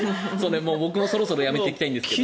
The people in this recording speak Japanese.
僕もそろそろやめていきたいんですけど。